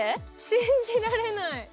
信じられない。